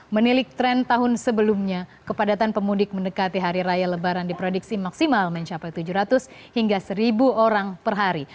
menilik tren tahun sebelumnya kepadatan pemudik mendekati hari raya lebaran diprediksi maksimal mencapai tujuh ratus hingga seribu orang per hari